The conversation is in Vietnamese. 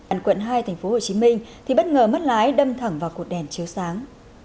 ẩn quận hai tp hcm thì bất ngờ mất lái đâm thẳng vào cột đèn chiếu sáng